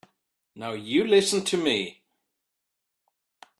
Now you listen to me.